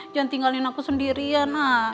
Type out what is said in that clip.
jangan tinggalin aku sendirian